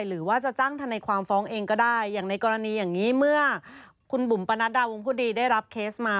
หรือว่าจะจ้างทนายความฟ้องเองก็ได้อย่างในกรณีอย่างนี้เมื่อคุณบุ๋มปนัดดาวงผู้ดีได้รับเคสมา